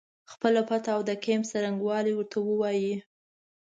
خپله پته او د کمپ څرنګوالی ورته ووایي.